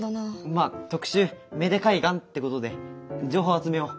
まあ特集芽出海岸ってことで情報集めよう。